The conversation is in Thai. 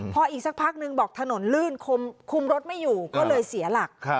พออีกสักพักนึงบอกถนนลื่นคุมรถไม่อยู่ก็เลยเสียหลัก